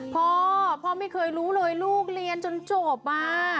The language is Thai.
พ่อพ่อไม่เคยรู้เลยลูกเรียนจนจบอ่ะ